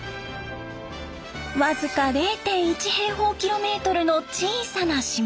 僅か０．１平方キロメートルの小さな島新島に到着。